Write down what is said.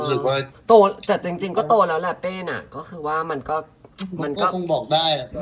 เป้ย์แนร้าดพูดถึงแบบผมก็บอกได้